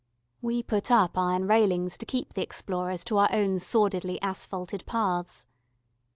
We put up iron railings to keep the explorers to our own sordidly asphalted paths.